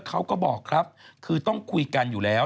เขาก็บอกครับคือต้องคุยกันอยู่แล้ว